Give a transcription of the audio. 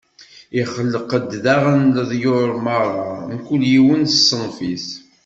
Ixleq-d daɣen leḍyur meṛṛa, mkul yiwen s ṣṣenf-is.